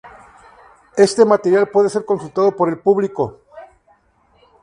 Este material puede ser consultado por el público.